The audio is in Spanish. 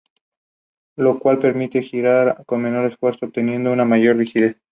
Actualmente, Theo anima a los usuarios de redes wireless a comprar productos taiwaneses.